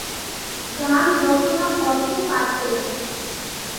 গান রচনা করতে পারতেন।